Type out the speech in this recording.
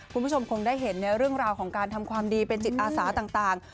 คุณผู้ชมคงได้เห็นเรื่องราวของการทำความดีเป็นจิตอาสาต่าง